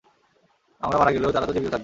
আমরা মারা গেলেও তারা তো জীবিত থাকবে।